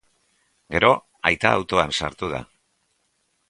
Gero, aita autoan sartu da.